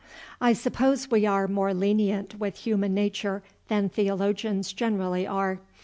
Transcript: I suppose we are more lenient with human nature than theologians generally are.